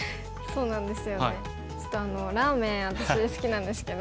そうなんですよね。